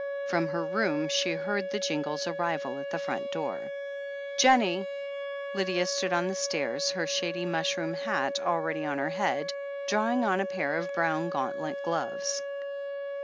From her room she heard the jingle's arrival at the front door. "Jennie!" Lydia stood on the stairs, her shady mushroom hat already on her head, drawing on a pair of brown gaunt let gloves.